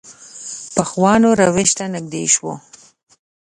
پخوانو روش ته نږدې شو.